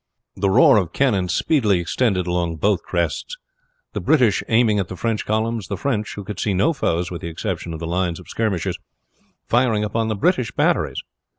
The roar of cannon speedily extended along both crests; the British aiming at the French columns, the French, who could see no foes with the exception of the lines of skirmishers, firing upon the British batteries.